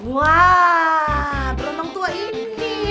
wah berenang tua ini